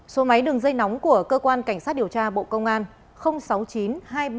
số máy đường dây nóng của cơ quan cảnh sát điều tra bộ công an sáu mươi chín hai trăm ba mươi bốn năm nghìn tám trăm sáu mươi